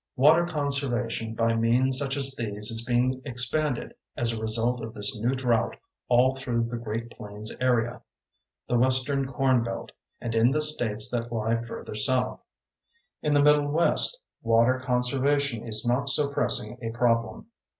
Water conservation by means such as these is being expanded as a result of this new drought all through the Great Plains area, the Western corn belt and in the states that lie further south. In the Middle West water conservation is not so pressing a problem.